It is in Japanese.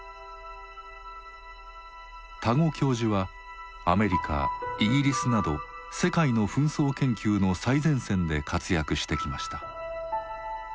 多湖教授はアメリカイギリスなど世界の紛争研究の最前線で活躍してきました。